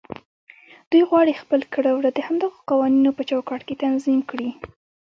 دوی غواړي خپل کړه وړه د همدغو قوانينو په چوکاټ کې تنظيم کړي.